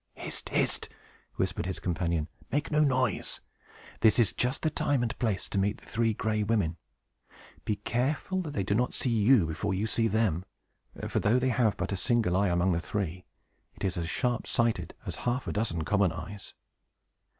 "Hist! hist!" whispered his companion. "Make no noise! This is just the time and place to meet the Three Gray Women. Be careful that they do not see you before you see them; for, though they have but a single eye among the three, it is as sharp sighted as half a dozen common eyes."